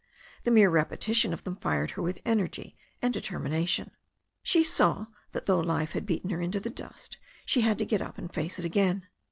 The mere repetition of them fired her with energy and determi nation. She saw that though life had beaten her into the dust she had to get up and face it again.